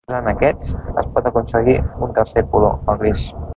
Usant aquests, es pot aconseguir un tercer color, el gris.